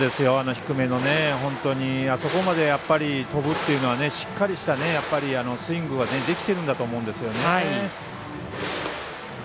低め、あそこまで飛ぶというのはしっかりしたスイングができているんだと思うんですよね。